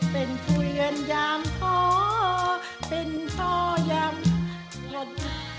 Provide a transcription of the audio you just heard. เป็นผู้เลือนยามท่อเป็นท่อยามพัด